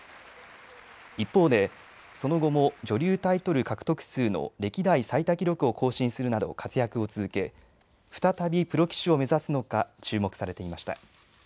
一方でその後も女流タイトル獲得数の歴代最多記録を更新するなど活躍を続け、再びプロ棋士を目指すのか注目されていました。